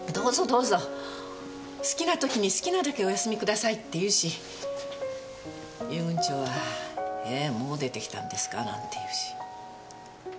どーぞ好きな時に好きなだけお休みください」って言うし遊軍長は「えもう出てきたんですか？」なんて言うし。